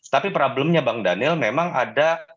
tapi problemnya bang daniel memang ada